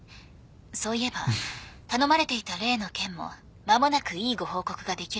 そういえば頼まれていた例の件も間もなくいいご報告ができるかと。